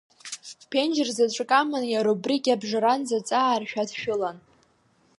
Ԥенџьыр заҵәык аман, иара убригьы абжаранӡа аҵааршә адшәылан.